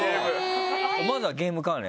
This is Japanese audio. まだゲーム関連。